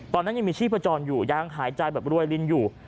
ตอนนั้นยังมีชีพจรอยู่ยังหายใจแบบรวยลินอยู่